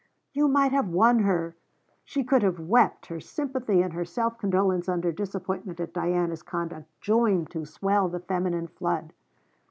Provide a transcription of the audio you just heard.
'You might have won her!' She could have wept; her sympathy and her self condolence under disappointment at Diana's conduct joined to swell the feminine flood.